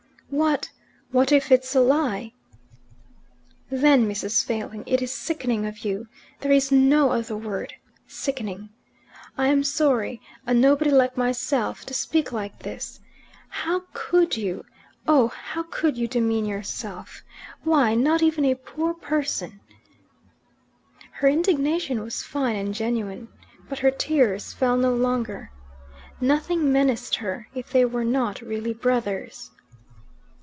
"What what if it's a lie?" "Then, Mrs. Failing, it is sickening of you. There is no other word. Sickening. I am sorry a nobody like myself to speak like this. How COULD you, oh, how could you demean yourself? Why, not even a poor person Her indignation was fine and genuine. But her tears fell no longer. Nothing menaced her if they were not really brothers.